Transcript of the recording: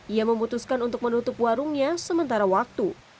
ia memutuskan untuk menutup warungnya sementara waktu